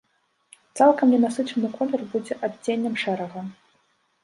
Цалкам ненасычаны колер будзе адценнем шэрага.